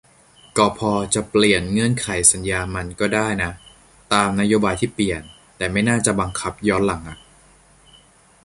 กพ.จะเปลี่ยนเงื่อนไขสัญญามันก็ได้นะ ตามนโยบายที่เปลี่ยน แต่ไม่น่าบังคับย้อนหลังอ่ะ